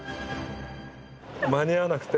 間に合わなくて。